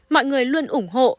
mọi người luôn ủng hộ